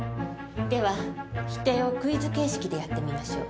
では否定をクイズ形式でやってみましょう。